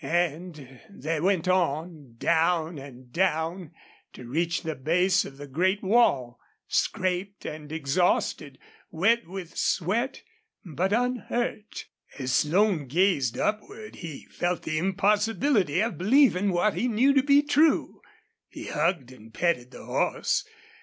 And they went on, down and down, to reach the base of the great wall, scraped and exhausted, wet with sweat, but unhurt. As Slone gazed upward he felt the impossibility of believing what he knew to be true. He hugged and petted the horse.